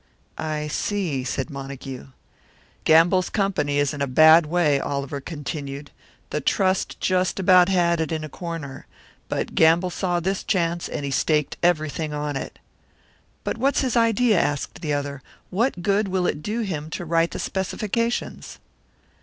"I see," said Montague. "Gamble's company is in a bad way," Oliver continued. "The Trust just about had it in a corner. But Gamble saw this chance, and he staked everything on it." "But what's his idea?" asked the other. "What good will it do him to write the specifications?"